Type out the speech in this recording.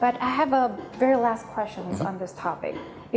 tapi saya punya pertanyaan terakhir di topik ini